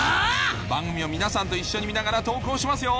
番組を皆さんと一緒に見ながら投稿しますよ